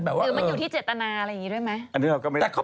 หรือมันอยู่ที่เจตนาอะไรอย่างนี้ด้วยไหม